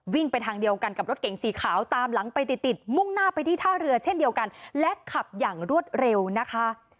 ไปทางเดียวกันกับรถเก่งสีขาวตามหลังไปติดติดมุ่งหน้าไปที่ท่าเรือเช่นเดียวกันและขับอย่างรวดเร็วนะคะ